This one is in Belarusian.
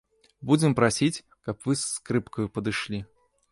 Будзем прасіць, каб вы з скрыпкаю падышлі.